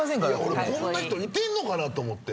俺こんな人いてんのかなと。